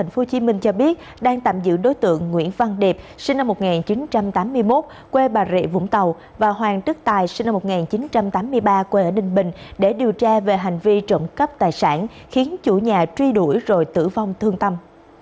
sinh năm một nghìn chín trăm tám mươi một quê bà rịa vũng tàu và hoàng tức tài sinh năm một nghìn chín trăm tám mươi ba quê ở đình bình để điều tra về hành vi trộm cấp tài sản khiến chủ nhà truy đuổi rồi tử vong thương tâm